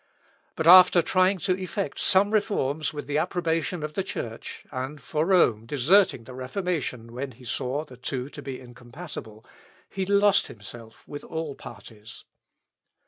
But after trying to effect some reforms with the approbation of the Church, and for Rome deserting the Reformation when he saw the two to be incompatible, he lost himself with all parties.